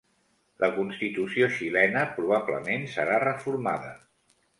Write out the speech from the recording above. La constitució xilena probablement serà reformada